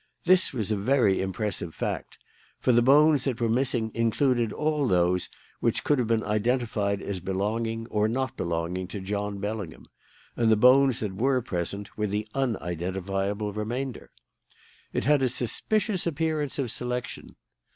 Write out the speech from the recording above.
This was a very impressive fact; for the bones that were missing included all those which could have been identified as belonging or not belonging to John Bellingham; and the bones that were present were the unidentifiable remainder. "It had a suspicious appearance of selection.